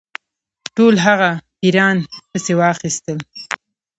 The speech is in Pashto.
ټول هغه پیران پسي واخیستل.